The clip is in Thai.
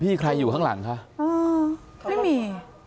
ใครอยู่ข้างหลังคะไม่มี